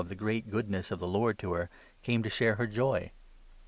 of tne g reat goodnes s of the Lord to her, came to share her joy.